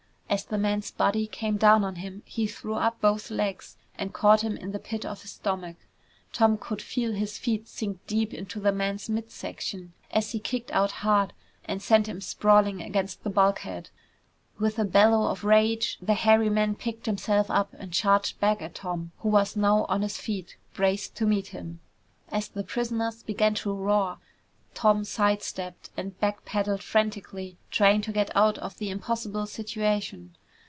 As the man's body came down on him, he threw up both legs and caught him in the pit of his stomach. Tom could feel his feet sink deep into the man's mid section as he kicked out hard and sent him sprawling against the bulkhead. With a bellow of rage, the hairy man picked himself up and charged back at Tom, who was now on his feet, braced to meet him. [Illustration: The young cadet timed his move perfectly] As the prisoners began to roar, Tom side stepped and back pedaled frantically, trying to get out of the impossible situation.